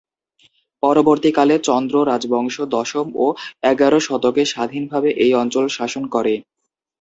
পরবর্তীকালে চন্দ্র রাজবংশ দশম ও এগার শতকে স্বাধীনভাবে এই অঞ্চল শাসন করে।